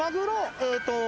えっと。